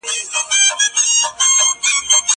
زه پرون درسونه اورم وم!